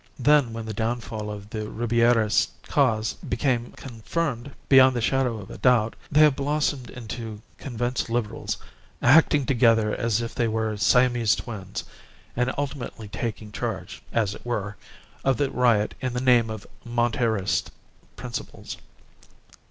Then, when the downfall of the Ribierist cause became confirmed beyond the shadow of a doubt, they have blossomed into convinced Liberals, acting together as if they were Siamese twins, and ultimately taking charge, as it were, of the riot in the name of Monterist principles.